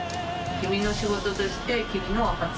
君の仕事として店主）